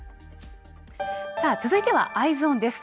さあ、続いてはＥｙｅｓｏｎです。